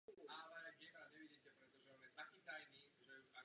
Je součástí Oblastní rady Eškol.